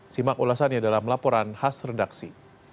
simak ulasannya dalam laporan khas redaksi